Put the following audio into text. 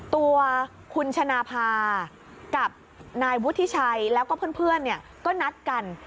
ตัวคุณชนะภากับนายวุฒิชัยแล้วก็เพื่อนก็นัดกัน